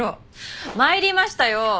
参りましたよ！